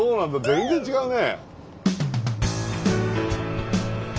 全然違うね。